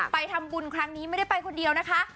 ไปทำบุญครั้งนี้ไม่ได้ไปคนเดียวนะคะ